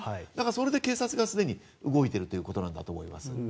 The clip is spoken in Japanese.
それで警察がすでに動いているということだと思います。